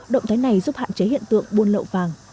động thái này giúp hạn chế hiện tượng buôn lậu vàng